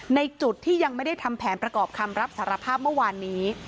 ในจุดที่ยังไม่ได้ทำแผนประกอบคำรับสารภาพเมื่อวานนี้